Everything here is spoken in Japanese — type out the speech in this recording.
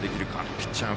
ピッチャー、、平。